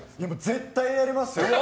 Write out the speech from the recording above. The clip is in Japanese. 絶対やりますよ！